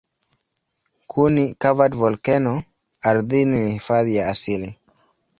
Kuni-covered volkeno ardhini ni hifadhi ya asili.